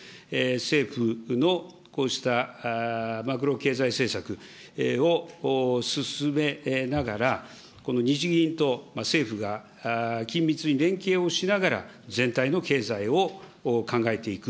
政府のこうしたマクロ経済政策を進めながら、日銀と政府が緊密に連携をしながら、全体の経済を考えていく。